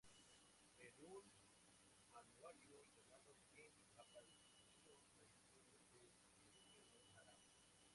En un anuario llamado "Gem" apareció la historia de Eugene Aram.